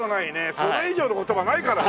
それ以上の言葉ないからね。